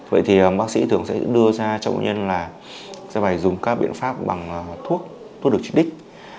vậy thì bác sĩ thường sẽ đưa ra trọng nhân là sẽ phải dùng các biện pháp bằng thuốc thuốc độc trích đích